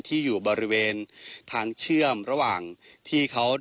ที่อยู่บริเวณทางเชื่อมระหว่างที่เขา